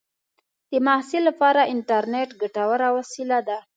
د محصل لپاره انټرنېټ ګټوره وسیله ده.